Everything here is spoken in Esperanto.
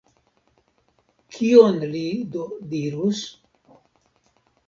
Kion li do dirus?